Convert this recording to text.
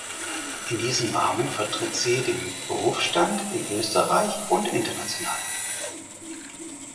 In diesem Rahmen vertritt sie den Berufsstand in Österreich und international.